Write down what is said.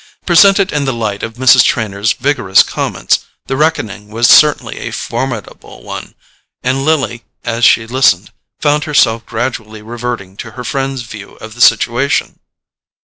Presented in the light of Mrs. Trenor's vigorous comments, the reckoning was certainly a formidable one, and Lily, as she listened, found herself gradually reverting to her friend's view of the situation.